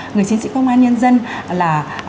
người chính sĩ công an nhân dân là